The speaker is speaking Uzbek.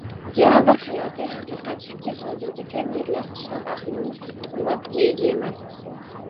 Yana bir hayotiy haqiqat shuki, hozirgi fermerlar qishloq ahlining hurmatiga ega emas.